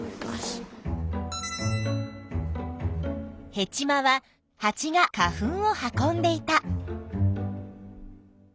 ヘチマはハチが花粉を運んでいた。